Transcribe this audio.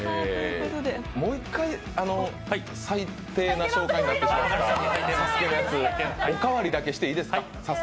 もう一回、最低な紹介になってしまった「ＳＡＳＵＫＥ」のやつおかわりだけしていいですか。